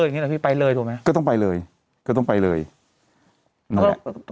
อย่างเงี้ยนะพี่ไปเลยรู้ไหมไม่ต้องไปเลยต้องไปเลยแล้วก็